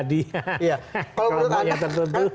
di kelompoknya tertentu